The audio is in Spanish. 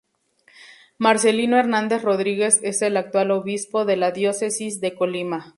Marcelino Hernández Rodríguez es el actual Obispo de la Diócesis de Colima.